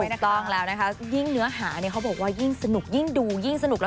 ถูกต้องแล้วนะครับยิ่งเนื้อหามันเขากำลังว่ายิ่งดูยิ่งสนุก